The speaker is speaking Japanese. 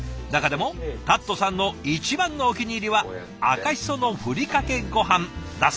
中でもタッドさんの一番のお気に入りは赤しそのふりかけごはんだそう。